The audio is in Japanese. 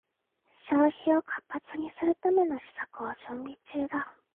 消費を活発にするための施策を準備中だ